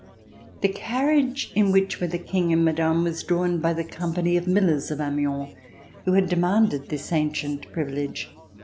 The carriage In which were the King and Madame was drawn by the company of millers of Amiens who had demanded this ancient privilege.